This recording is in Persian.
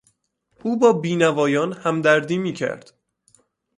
او با بینوایان همدردی میکرد.